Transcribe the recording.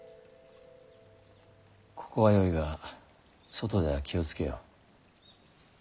ここはよいが外では気を付けよ。